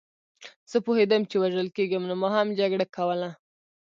زه پوهېدم چې وژل کېږم نو ما هم جګړه کوله